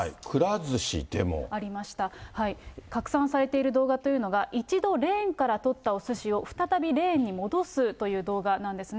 拡散されている動画というのが、一度レーンから取ったおすしを、再びレーンに戻すという動画なんですね。